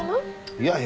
いやいや。